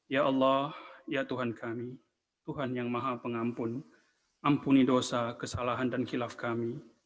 ya allah ya tuhan kami tuhan yang maha pengampun ampuni dosa kesalahan dan kilaf kami